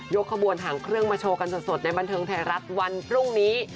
ขบวนหางเครื่องมาโชว์กันสดในบันเทิงไทยรัฐวันพรุ่งนี้